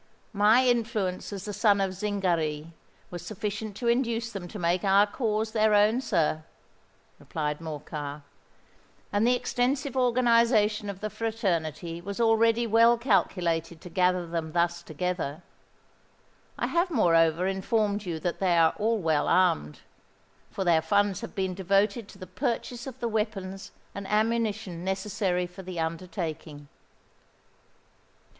"My influence as the son of Zingary was sufficient to induce them to make our cause their own, sir," replied Morcar; "and the extensive organization of the fraternity was already well calculated to gather them thus together. I have moreover informed you that they are all well armed; for their funds have been devoted to the purchase of the weapons and ammunition necessary for the undertaking."